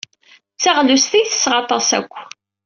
D taɣlust ay ttesseɣ aṭas akk.